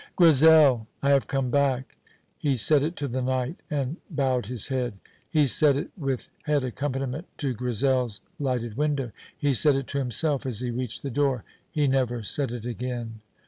"Grizel, I have come back." He said it to the night, and bowed his head. He said it with head accompaniment to Grizel's lighted window. He said it to himself as he reached the door. He never said it again.